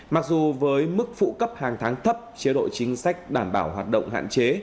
mặc dù với mức phụ cấp hàng tháng thấp chế độ chính sách đảm bảo hoạt động hạn chế